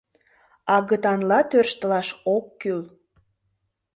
— Агытанла тӧрштылаш ок кӱл...